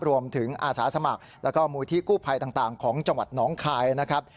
อาสาสมัครแล้วก็มูลที่กู้ภัยต่างของจังหวัดน้องคายนะครับ